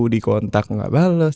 dikontak gak bales